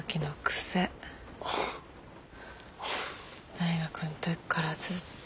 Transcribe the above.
大学の時からずっと。